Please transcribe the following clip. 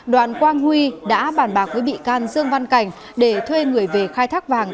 đoàn quang huy đã bàn bạc với bị can dương văn cảnh để thuê người về khai thác vàng